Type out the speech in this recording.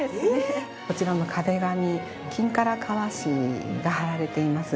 こちらの壁紙金唐革紙が貼られています。